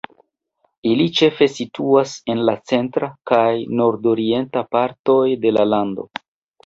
Ili ĉefe situas en la centra kaj nordorienta partoj de la lando.